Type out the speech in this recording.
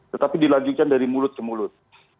tetapi dilanjutkan dari mulut ke mulut